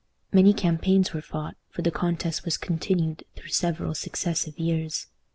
Many campaigns were fought, for the contest was continued through several successive years.